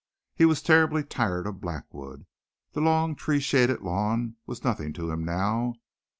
He was terribly tired of Blackwood. The long tree shaded lawn was nothing to him now.